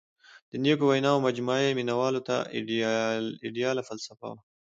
• د نیکو ویناوو مجموعه یې مینوالو ته آیډیاله فلسفه وه.